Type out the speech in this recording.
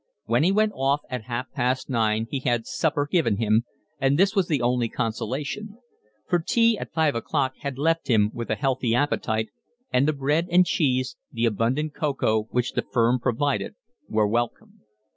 When he went off at half past nine he had supper given him, and this was the only consolation; for tea at five o'clock had left him with a healthy appetite, and the bread and cheese, the abundant cocoa which the firm provided, were welcome.